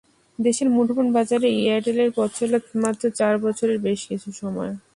দেশের মুঠোফোন বাজারে এয়ারটেলের পথচলা মাত্র চার বছরের কিছু বেশি সময়।